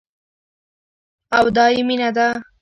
او دايې مينه ده.